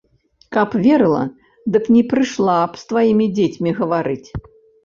Каб верыла, дык не прыйшла б з тваімі дзецьмі гаварыць.